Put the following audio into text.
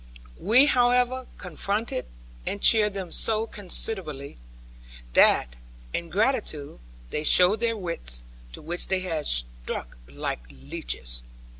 We however comforted and cheered them so considerably, that, in gratitude, they showed their writs, to which they had stuck like leeches.